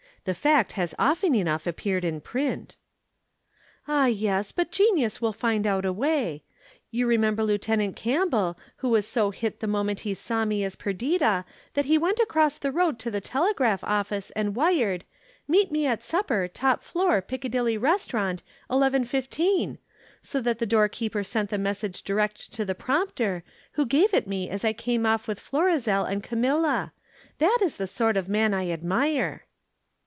The fact has often enough appeared in print." "Ah, yes, but genius will find out a way. You remember Lieutenant Campbell, who was so hit the moment he saw me as Perdita that he went across the road to the telegraph office and wired, 'Meet me at supper, top floor, Piccadilly Restaurant, 11.15,' so that the doorkeeper sent the message direct to the prompter, who gave it me as I came off with Florizel and Camilla. That is the sort of man I admire!"